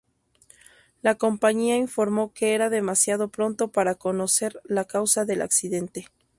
La compañía informó que era demasiado pronto para conocer la causa del accidente.